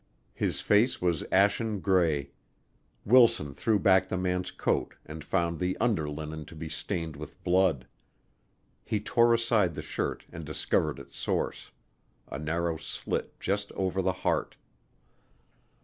His face was ashen gray. Wilson threw back the man's coat and found the under linen to be stained with blood. He tore aside the shirt and discovered its source a narrow slit just over the heart.